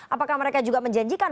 apakah mereka juga menjanjikan